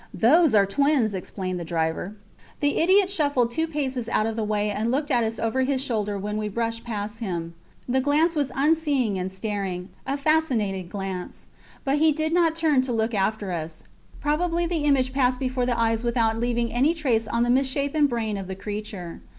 Those are twins, explained the driver. The idiot shuffled two paces out of the way and looked at us over his shoulder when we brushed past him. The glance was unseeing and staring, a fascinated glance; but he did not turn to look after us. Probably the image passed before the eyes without leaving any trace on the misshapen brain of the creature.